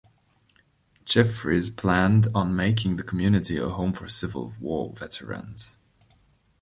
Jeffries planned on making the community a home for Civil War veterans.